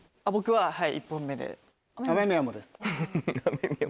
はい。